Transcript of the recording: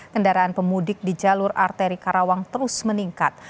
kendaraan pemudik di jalur arteri karawang terus meningkat